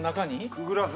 くぐらす？